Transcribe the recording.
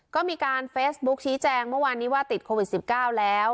ก็มีการเฟซบุ๊คชี้แจงเมื่อวานนี้ว่าติดโควิด๑๙แล้ว